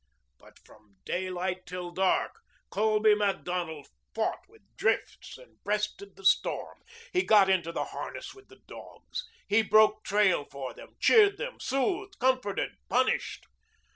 But from daylight till dark Colby Macdonald fought with drifts and breasted the storm. He got into the harness with the dogs. He broke trail for them, cheered them, soothed, comforted, punished.